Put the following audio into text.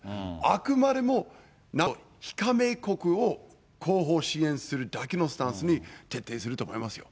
あくまでもＮＡＴＯ非加盟国を後方支援するだけのスタンスに徹底すると思いますよ。